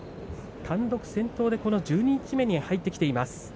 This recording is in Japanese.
単独先頭で十二日目に入ってきています。